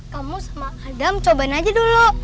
kamu sama adam cobain aja dulu